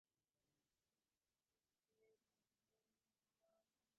އަދިވެސް ގާތްތިމާގެ އިތުރު މީހުން ތިބެދާނެ